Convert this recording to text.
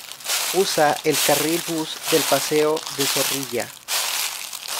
Usa el carril bus del paseo de Zorrilla.